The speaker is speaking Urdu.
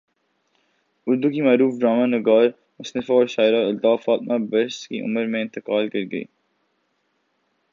اردو کی معروف ڈرامہ نگار مصنفہ اور شاعرہ الطاف فاطمہ برس کی عمر میں انتقال کر گئیں